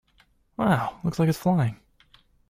Wow! It looks like it is flying!